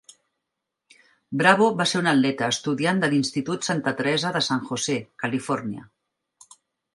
Bravo va ser un atleta estudiant de l'institut Santa Teresa de San José (Califòrnia).